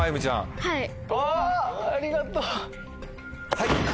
はい。